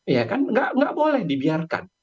ya kan nggak boleh dibiarkan